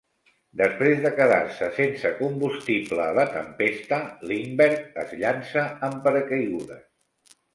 Després de quedar-se sense combustible a la tempesta, Lindbergh es llança amb paracaigudes.